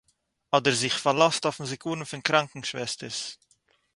אָדער זיך פאַרלאָזט אויפ'ן זכרון פון קראַנקען-שוועסטערס